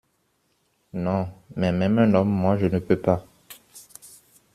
Non, mais même un homme, moi, je ne peux pas !